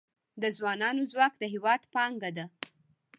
د ځوانانو ځواک د هیواد پانګه ده